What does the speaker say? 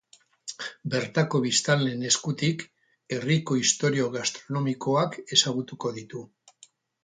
Bertako biztanleen eskutik, herriko istorio gastronomikoak ezagutuko ditu.